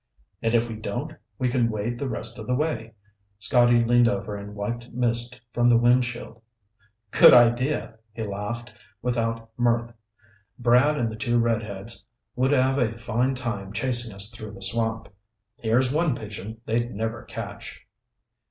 "And if we don't, we can wade the rest of the way." Scotty leaned over and wiped mist from the windshield. "Good idea." He laughed, without mirth. "Brad and the two redheads would have a fine time chasing us through the swamp. Here's one pigeon they'd never catch."